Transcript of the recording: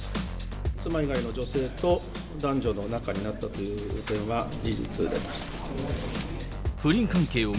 妻以外の女性と男女の仲になったという点は事実であります。